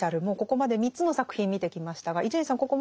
もうここまで３つの作品見てきましたが伊集院さん